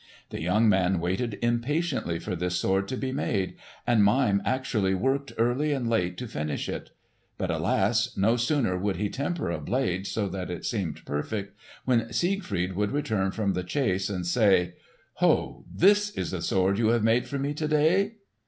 The young man waited impatiently for this sword to be made; and Mime actually worked early and late to finish it. But alas! no sooner would he temper a blade so that it seemed perfect, when Siegfried would return from the chase and say, "Ho! this is the sword you have made for me to day!"